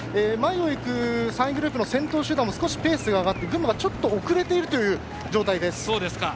前を行く３位グループの先頭集団も少しペースが上がって群馬がちょっと遅れているような状態です。